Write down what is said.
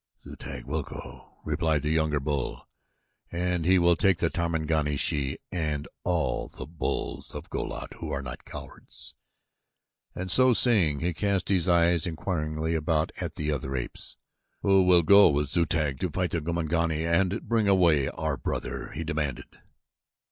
"Zu tag will go," replied the younger bull, "and he will take the Tarmangani's she and all the bulls of Go lat who are not cowards," and so saying he cast his eyes inquiringly about at the other apes. "Who will go with Zu tag to fight the Gomangani and bring away our brother," he demanded.